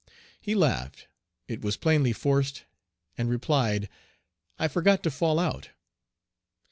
He laughed it was plainly forced and replied, "I forgot to fall out."